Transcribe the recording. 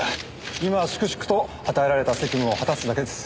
今は粛々と与えられた責務を果たすだけです。